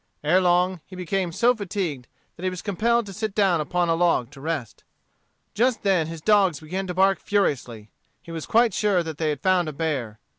Ere long he became so fatigued that he was compelled to sit down upon a log to rest. Just then his dogs began to bark furiously. He was quite sure that they had found a bear.